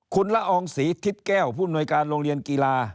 คุณละอองศรีทิศแก้วผู้หน่วยการโรงเรียนกีฬา